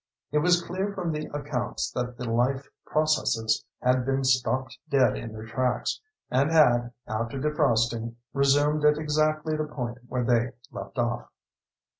It was clear from the accounts that the life processes had been stopped dead in their tracks, and had, after defrosting, resumed at exactly the point where they left off.